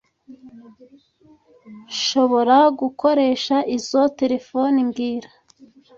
Nshobora gukoresha izoi terefone mbwira